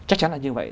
chắc chắn là như vậy